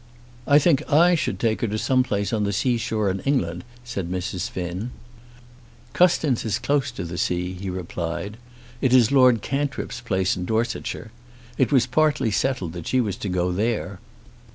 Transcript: "I think I should take her to some place on the seashore in England," said Mrs. Finn. "Custins is close to the sea," he replied. "It is Lord Cantrip's place in Dorsetshire. It was partly settled that she was to go there."